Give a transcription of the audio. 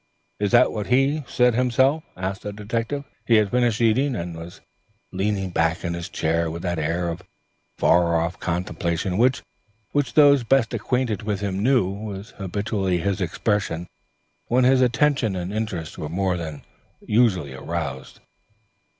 "Is that what he himself says?" asked the detective. He had finished eating, and was leaning back in his chair with that air of far off contemplation which those best acquainted with him knew was habitually his expression when his attention and interest were more than usually roused.